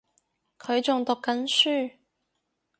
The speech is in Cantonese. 佢仲讀緊書